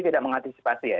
tidak mengantisipasi ya